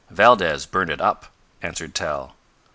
"Valdez burn it up," answered Tal.